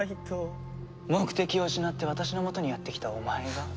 目的を失って私のもとにやって来たお前が？